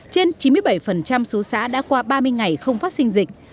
trên chín mươi bảy số xã đã qua ba mươi ngày không phát sinh dịch